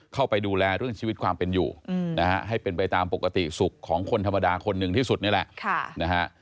เข้าไปดูแลเรื่องชีวิตความเป็นอยู่นะฮะให้เป็นไปตามปกติสุขของคนธรรมดาคนหนึ่งที่สุดนี่แหละนะฮะ